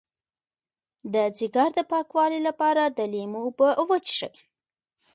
د ځیګر د پاکوالي لپاره د لیمو اوبه وڅښئ